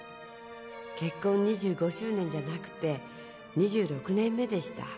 結婚２５周年じゃなくて２６年目でした。